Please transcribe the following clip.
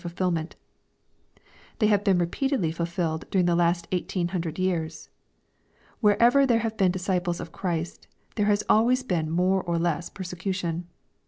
363 fulfilment. — Thej have been repeatedly fulfilled during the last eighteen hundred years. Wherever there have been disciples of Christ, there has always been more or less persecution.